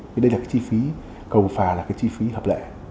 vì đây là cái chi phí cầu phà là cái chi phí hợp lệ